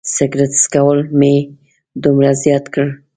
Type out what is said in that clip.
سګرټ څکول مې دومره زیات کړل.